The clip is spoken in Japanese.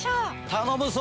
頼むぞ！